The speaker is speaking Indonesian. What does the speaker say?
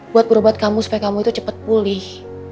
buat berobat kamu supaya kamu itu cepat pulih